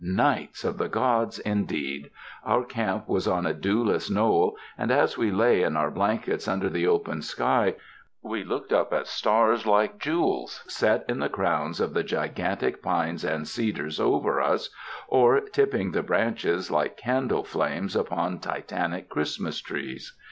nights of the gods, indeed. Our camp was on a dewless knoll, and as we lay in our blankets under the open sky, we looked up at stars like jewels set in the crowns of the gigantic pines and cedars over us, or tipping the branches like candle flames upon titantic Christmas trees.